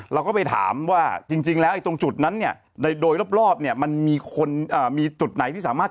เราก็ไปถามว่าจริงแล้วตรงจุดนั้นเนี่ยโดยรอบเนี่ยมันมีคนมีจุดไหนที่สามารถ